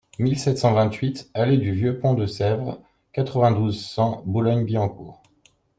mille sept cent vingt-huit allée du Vieux Pont de Sèvres, quatre-vingt-douze, cent, Boulogne-Billancourt